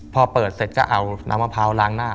พอเปิดเสร็จก็เอาน้ำมะพร้าวล้างหน้า